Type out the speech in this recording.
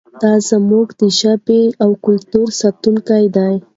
دی زموږ د ژبې او کلتور ساتونکی دی.